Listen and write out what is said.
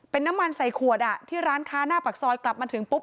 เป็นน้ำมันใส่ขวดอ่ะที่ร้านค้าหน้าปากซอยกลับมาถึงปุ๊บ